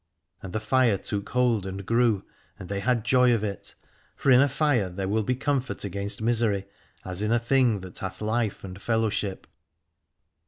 And the fire took hold and grew, and they had joy of it, for in a fire there will be comfort against misery, as in a thing that hath life and fellowship.